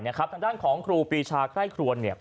ทางด้านของครูปีชาไคร่ครวน